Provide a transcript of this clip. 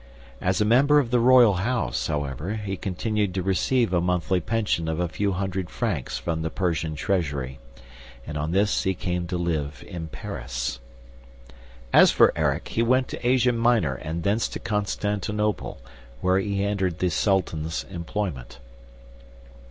As a member of the Royal House, however, he continued to receive a monthly pension of a few hundred francs from the Persian treasury; and on this he came to live in Paris. As for Erik, he went to Asia Minor and thence to Constantinople, where he entered the Sultan's employment.